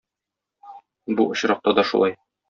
Бу очракта да шулай.